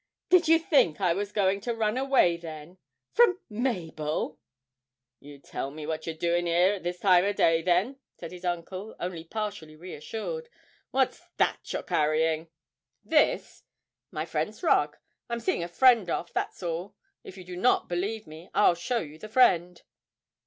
'Did you think I was going to run away then from Mabel?' 'You tell me what you're doing 'ere at this time o' day, then,' said his uncle, only partially reassured. 'What's that you're carrying?' 'This? My friend's rug. I'm seeing a friend off that's all. If you do not believe me, I'll show you the friend.'